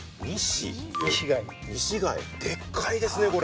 でっかいですね、これ。